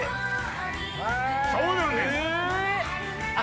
そうなんです。